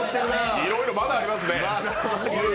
いろいろ、まだありますね。